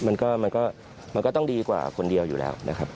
มันก็มันก็ต้องดีกว่าคนเดียวอยู่แล้วนะครับ